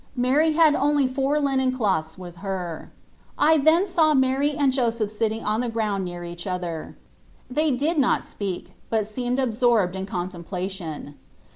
Mary had only four linen cloths with her. I then saw Mary and Joseph sitting on the ground near each other. They did not speak, but seemed absorbed in contemplation.